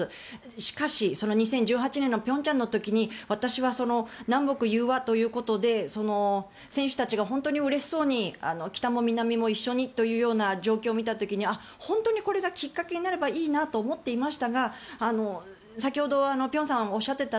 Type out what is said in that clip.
しかしその２０１８年の平昌の時に私は南北融和ということで選手たちが本当にうれしそうに北も南も一緒にという状況を見た時に本当にこれがきっかけになればいいなと思っていましたが先ほど辺さんがおっしゃっていた